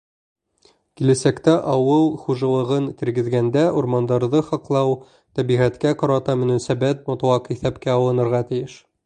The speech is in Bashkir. — Киләсәктә ауыл хужалығын тергеҙгәндә урмандарҙы һаҡлау, тәбиғәткә ҡарата мөнәсәбәт мотлаҡ иҫәпкә алынырға тейеш.